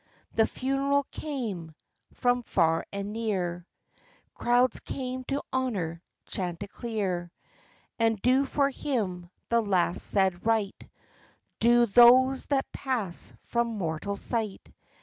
The funeral came : from far and near Crowds came to honor Chanticleer, And do for him the last sad rite Due those that pass from mortal sight.